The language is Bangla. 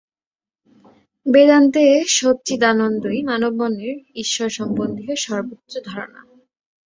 বেদান্তে সচ্চিদানন্দই মানবমনের ঈশ্বর-সম্বন্ধীয় সর্বোচ্চ ধারণা।